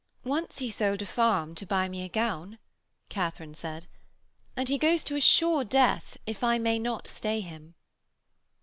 'Once he sold a farm to buy me a gown,' Katharine said, 'and he goes to a sure death if I may not stay him.'